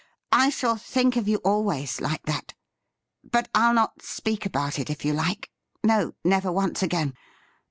' I shall think of you always like that. But I'll not speak about it, if you like. No, never once again.